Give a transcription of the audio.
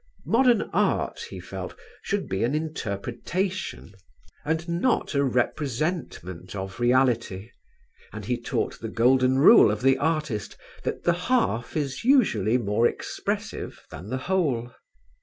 Modern art he felt should be an interpretation and not a representment of reality, and he taught the golden rule of the artist that the half is usually more expressive than the whole.